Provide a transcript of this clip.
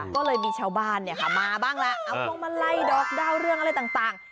ก็เลยมีชาวบ้านมาบ้างแล้วเอามาไล่ดอกด้าวเรื่องอะไรต่าง